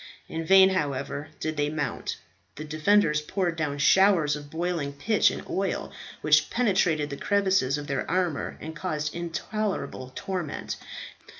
In vain, however, did they mount. The defenders poured down showers of boiling pitch and oil, which penetrated the crevices of their armour, and caused intolerable torment.